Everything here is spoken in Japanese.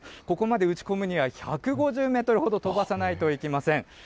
ここまで打ち込むには１５０メートルほど飛ばさないといけません。